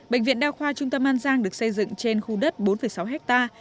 bệnh viện đao khoa trung tâm an giang được xây dựng trên khu đất bốn sáu ha